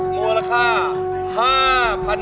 มัวละค่ะ